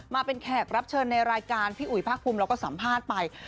มาเป็นแขกรับเชิญในรายการพี่อุ๋ยภาคภูมิเราก็สัมภาษณ์ไป